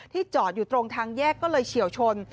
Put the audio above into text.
จอดอยู่ตรงทางแยกก็เลยเฉียวชน